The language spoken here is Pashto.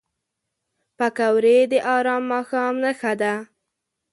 پکورې د ارام ماښام نښه ده